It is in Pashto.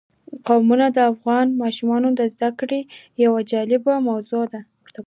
قومونه د افغان ماشومانو د زده کړې یوه جالبه موضوع ده.